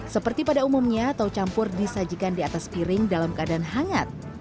seperti pada umumnya tahu campur disajikan di atas piring dalam keadaan hangat